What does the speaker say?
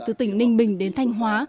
từ tỉnh ninh bình đến thanh hóa